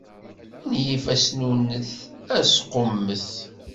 Menyif asnunnet asqummet.